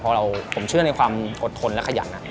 เพราะผมเชื่อในความอดทนและขยัน